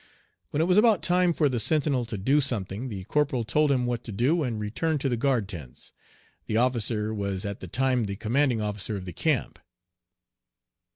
When it was about time for the sentinel to do something the corporal told him what to do, and returned to the guard tents. The officer was at the time the commanding officer of the camp.